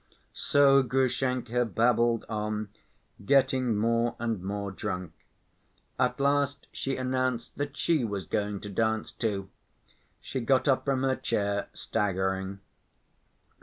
So Grushenka babbled on, getting more and more drunk. At last she announced that she was going to dance, too. She got up from her chair, staggering.